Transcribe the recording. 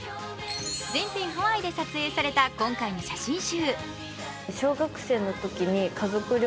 全編ハワイで撮影された今回の写真集。